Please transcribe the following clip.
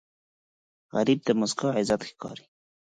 غریب ته موسکا عزت ښکاري